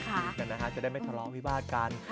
อย่างนั้นนะคะจะได้ไม่ทะเลาะวิบาทกัน